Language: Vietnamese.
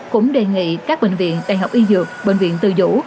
cũng đề nghị các bệnh viện tây học y dược bệnh viện từ dũ